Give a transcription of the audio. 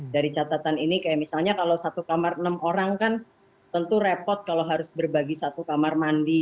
dari catatan ini kayak misalnya kalau satu kamar enam orang kan tentu repot kalau harus berbagi satu kamar mandi